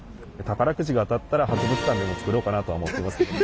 宝くじが当たったら博物館でも作ろうかなとは思ってます。